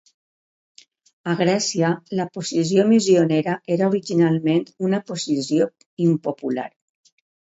A Grècia, la posició missionera era originalment una posició impopular.